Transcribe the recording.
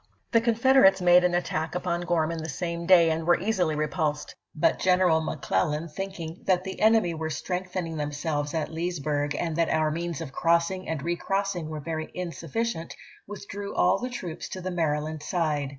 XXV. The Confederates made an attack upon Gorman the same day and were easily repulsed ; but Gen eral McClellan, thinking "that the enemy were strengthening themselves at Leesburg, and that Yo sSr o^i* means of crossing and recrossing were very NoT/Jsel: insufficient," withdi^ew all the troops to the Mary \^v 290.^' land side.